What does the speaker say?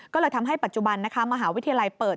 ก็เลยทำให้ปัจจุบันนะคะมหาวิทยาลัยเปิด